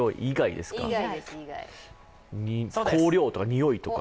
香料とか、においとか？